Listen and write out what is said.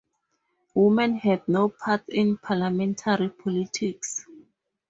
Women had no part in parliamentary politics.